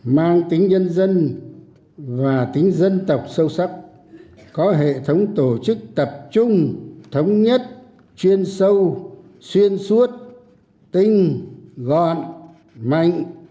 mang tính nhân dân và tính dân tộc sâu sắc có hệ thống tổ chức tập trung thống nhất chuyên sâu xuyên suốt tinh gọn mạnh